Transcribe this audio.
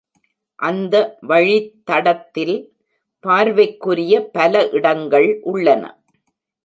அந்த வழித்தடத்தில், பார்வைக்குரிய பல இடங்கள் உள்ளன.